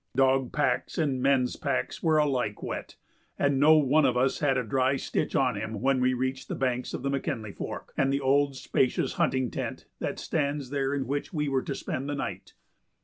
Dog packs and men's packs were alike wet, and no one of us had a dry stitch on him when we reached the banks of the McKinley Fork and the old spacious hunting tent that stands there in which we were to spend the night.